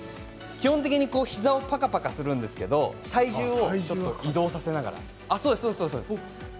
基本的に膝をぱたぱたするんですけれど体重を移動させながらやります。